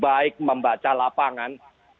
baik membaca lapangan